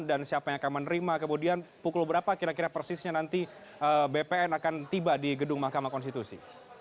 dan siapa yang akan menerima kemudian pukul berapa kira kira persisnya nanti bpn akan tiba di gedung mahkamah konstitusi